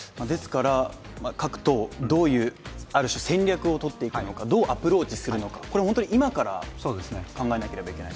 各党、どういう戦略をとっていくのか、どうアプローチするのか、本当に今から考えなければいけない。